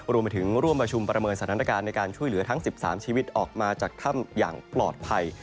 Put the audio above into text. รวมไปถึงร่วมประชุมประเมินสถานการณ์ในการช่วยเหลือทั้ง๑๓ชีวิตออกมาจากถ้ำอย่างปลอดภัย